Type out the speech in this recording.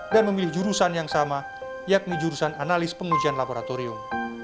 dan memilih jurusan yang sama yakni jurusan analis pengujian laboratorium